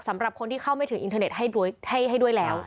สำหรับคนที่เข้าไม่ถึงอินเทอร์เน็ตให้ด้วยแล้ว